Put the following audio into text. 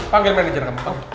panggil manajer kamu